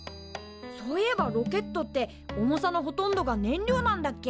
そういえばロケットって重さのほとんどが燃料なんだっけ？